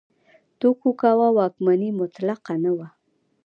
توکوګاوا واکمني مطلقه نه وه.